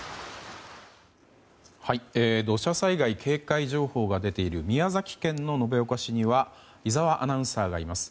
土砂災害警戒情報が出ている宮崎県延岡市には井澤アナウンサーがいます。